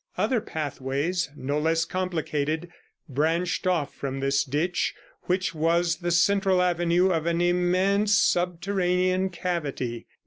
Other pathways, no less complicated, branched off from this ditch which was the central avenue of an immense subterranean cavity.